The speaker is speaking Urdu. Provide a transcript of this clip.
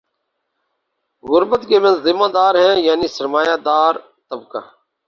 غربت کے ذمہ دار ہیں یعنی سر ما یہ دار طبقہ